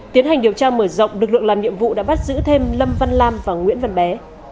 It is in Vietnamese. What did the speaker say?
tiến hành điều tra mở rộng lực lượng làm nhiệm vụ đã bắt giữ thêm lâm văn lam và nguyễn văn bé